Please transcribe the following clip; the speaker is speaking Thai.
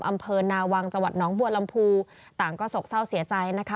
อำเภอนาวังจังหวัดน้องบัวลำพูต่างก็โศกเศร้าเสียใจนะคะ